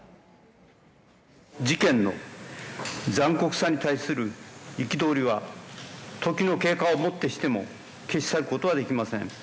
事件の残酷さに対する憤りは時の経過をもってしても消し去ることはできません。